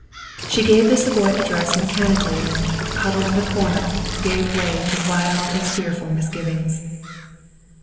She gave the Savoy address mechanically and, huddled in a corner, gave way to wild and fearful misgivings.